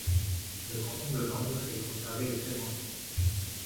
Le canton de Langres est conservé et s'agrandit.